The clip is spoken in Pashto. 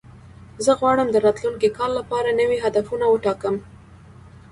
زه غواړم د راتلونکي کال لپاره نوي هدفونه وټاکم.